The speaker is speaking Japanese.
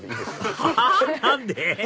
はっ⁉何で？